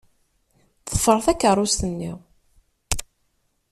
Ḍfer takeṛṛust-nni.